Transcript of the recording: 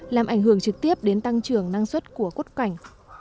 làm ảnh hưởng trực tiếp đến tăng trường năng suất của cốt cảnh